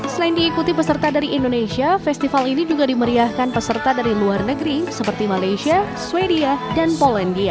selain diikuti peserta dari indonesia festival ini juga dimeriahkan peserta dari luar negeri seperti malaysia sweden dan polandia